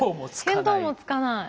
見当もつかない。